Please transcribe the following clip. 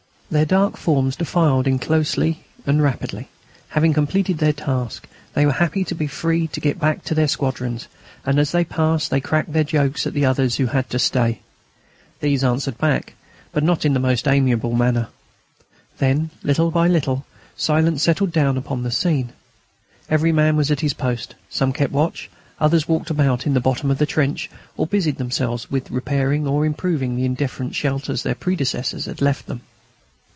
Their dark forms defiled in closely and rapidly. Having completed their task, they were happy to be free to get back to their squadrons, and as they passed they cracked their jokes at the others who had to stay. These answered back, but not in the most amiable manner. Then, little by little, silence settled down upon the scene. Every man was at his post: some kept watch, others walked about at the bottom of the trench or busied themselves with repairing or improving the indifferent shelters their predecessors had left them.